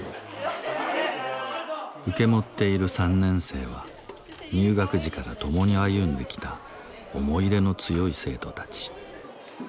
受け持っている３年生は入学時から共に歩んできた思い入れの強い生徒たち。